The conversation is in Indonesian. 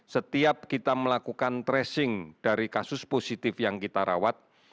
setiap kita melakukan tracing dari kasus positif yang kita rawat